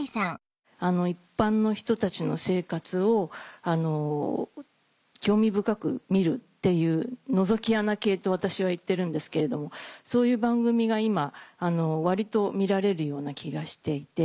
一般の人たちの生活を興味深く見るっていうのぞき穴系と私は言ってるんですけれどもそういう番組が今割と見られるような気がしていて。